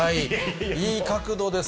いい角度です。